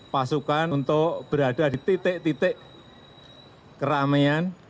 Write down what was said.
pasukan untuk berada di titik titik keramaian